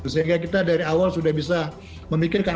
sehingga kita dari awal sudah bisa memikirkan